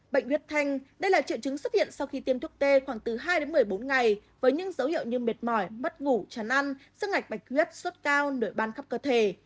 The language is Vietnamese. bệnh huyết thanh đây là triệu chứng xuất hiện sau khi tiêm thuốc tê khoảng từ hai đến một mươi bốn ngày với những dấu hiệu như mệt mỏi mất ngủ chấn ăn sức ngạch bạch huyết suốt cao nửa ban khắp cơ thể